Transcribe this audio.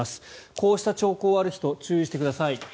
こうした兆候がある人注意してください。